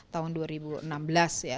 tahun dua ribu enam belas ya